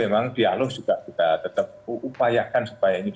ini juga pendekatan keamanan